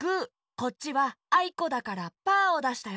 こっちは「あいこ」だからパーをだしたよ。